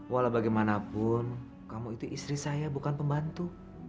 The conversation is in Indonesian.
walaubagaimanapun kamu itu istri saya bukan pembantu